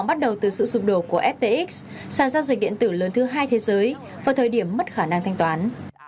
bắt đầu từ sự sụp đổ của ftx sản giao dịch điện tử lớn thứ hai thế giới vào thời điểm mất khả năng thanh toán